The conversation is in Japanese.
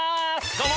どうも！